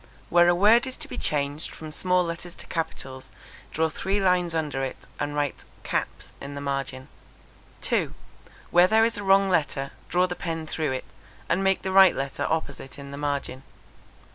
Where a word is to be changed from small letters to capitals, draw three lines under it, and write caps. in the margin. 2. Where there is a wrong letter, draw the pen through it, and make the right letter opposite in the margin.